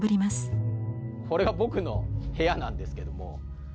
これは僕の部屋なんですけども。